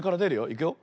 いくよ。